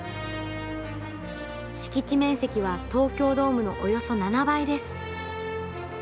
敷地面積は東京ドームのおよそ７倍です。